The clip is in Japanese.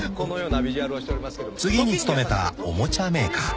［次に勤めたおもちゃメーカー］